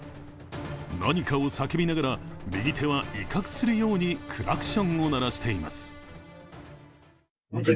何かを叫びながら右手は威嚇するようにクラクションを鳴らしています。